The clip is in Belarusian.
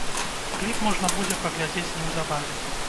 Кліп можна будзе паглядзець неўзабаве.